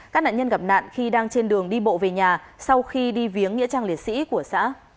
các nạn nhân gặp nạn khi đang trên đường đi bộ về nhà sau khi đi viếng nghĩa trang liệt sĩ của xã